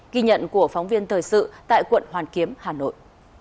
ghi nhận của phóng viên thời sự tại quận hoàn kiếm hà nội